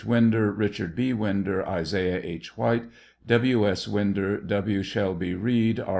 Winder, Kichard B. Winder, Isaiah H. White, W. S. Winder, W. Shelby Reed, R.